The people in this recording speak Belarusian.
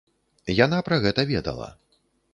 Яна пра гэта ведала.